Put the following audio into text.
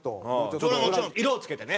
それはもちろん色を付けてね。